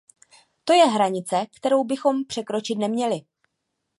To je hranice, kterou bychom překročit neměli.